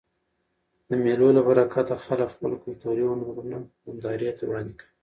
د مېلو له برکته خلک خپل کلتوري هنرونه نندارې ته وړاندي کوي.